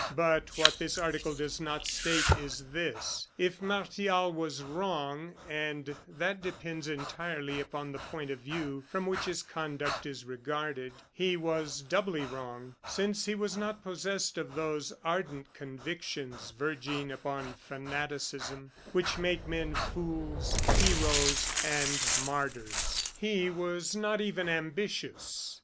But what this article does not state is this: if Martial was wrong and that depends entirely upon the point of view from which his conduct is regarded he was doubly wrong, since he was not possessed of those ardent convictions verging upon fanaticism which make men fools, heroes, and martyrs. He was not even ambitious.